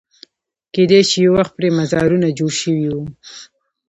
کېدای شي یو وخت پرې مزارونه جوړ شوي وو.